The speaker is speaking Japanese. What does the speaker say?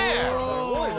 すごいな。